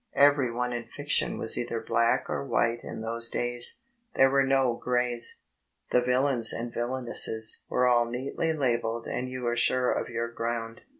Every one in fiction was either black or white in those days. There were no grays. The villains and villainesses were all neady labelled and you were sure of your ground.